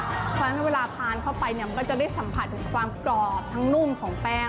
เพราะฉะนั้นเวลาทานเข้าไปเนี่ยมันก็จะได้สัมผัสถึงความกรอบทั้งนุ่มของแป้ง